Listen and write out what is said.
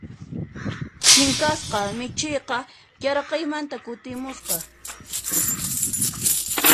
Chinkasqa michiyqa yaraqaymanta kutimusqa.